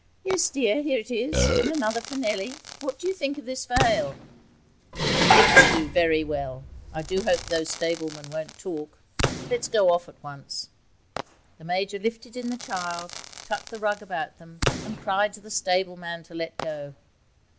'Yes, dear, here it is, and another for Nellie. What do you think of this veil?' 'It will do very well. I do hope these stablemen won't talk; let's go off at once.' The Major lifted in the child, tucked the rug about them, and cried to the stableman to let go.